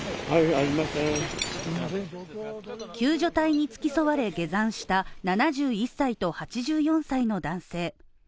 救助隊に付き添われ、下山した７１歳と８４歳の男性。